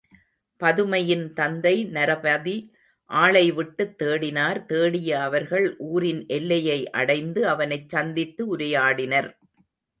பதுமையின் தந்தை நரபதி ஆளைவிட்டுத் தேடினார் தேடிய அவர்கள் ஊரின் எல்லையை அடைந்து அவனைச் சந்தித்து உரையாடினர்.